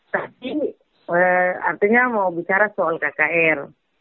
tapi artinya mau bicara soal kkr